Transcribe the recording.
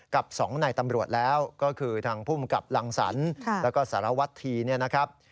กับ๒นายตำรวจแล้วก็คือทางภูมิกับรังสรรค์แล้วก็สารวัตธีเนี่ยนะครับ